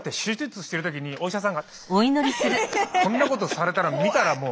こんなことされたら見たらもう。